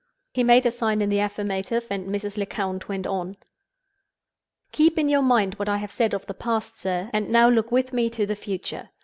He made a sign in the affirmative, and Mrs. Lecount went on: "Keep in your mind what I have said of the past, sir, and now look with me to the future.